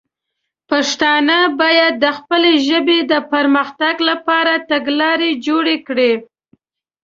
پښتانه باید د خپلې ژبې د پر مختګ لپاره تګلاره جوړه کړي.